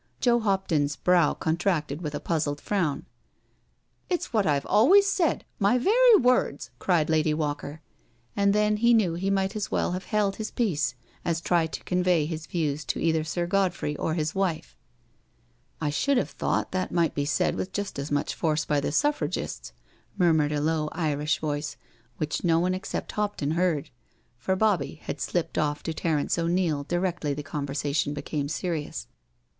'^ Joe Hopton's brow contracted with a puzzled frown. " It's what I've always said — ^my very words I" cried Lady Walker. And then he knew he might as well have held his peace as try to convey his views to .either Sir Godfrey or his wife. " I should have thought that might be said with just as much force by the Suffragists," murmured a low Irish voice, which no one except Hopton heard, for Bobbie had slipped off to Terence O'Neil directly the conversation became serious.